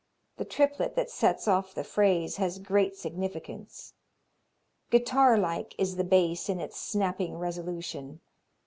The triplet that sets off the phrase has great significance. Guitar like is the bass in its snapping resolution.